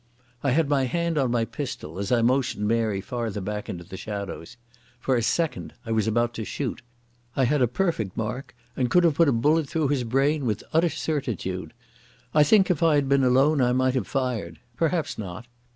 I had my hand on my pistol, as I motioned Mary farther back into the shadows. For a second I was about to shoot. I had a perfect mark and could have put a bullet through his brain with utter certitude. I think if I had been alone I might have fired. Perhaps not.